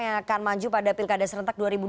yang akan maju pada pilkada serentak dua ribu dua puluh